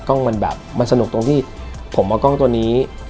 กล้องมันแบบมันสนุกตรงที่ผมเอากล้องตัวนี้